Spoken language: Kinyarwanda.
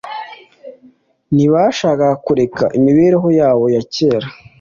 Ntibashakaga kureka imibereho yabo ya kera.